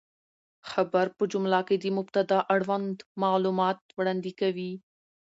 خبر په جمله کښي د مبتداء اړوند معلومات وړاندي کوي.